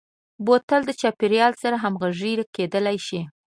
بوتل د چاپیریال سره همغږي کېدلای شي.